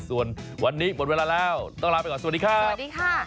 ส่วนวันนี้หมดเวลาแล้วต้องลาไปก่อนสวัสดีครับสวัสดีค่ะ